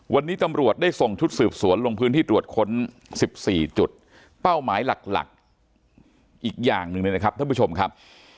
วันนี้ตำรวจได้ส่งชุดสืบสวนลงพื้นที่ตรวจค้น๑๔จุดเป้าหมายหลักหลักอีกอย่างหนึ่งเลยนะครับท่านผู้ชมครับ